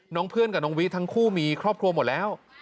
เพื่อนกับน้องวิทั้งคู่มีครอบครัวหมดแล้ว